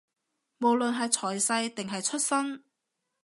無論係財勢，定係出身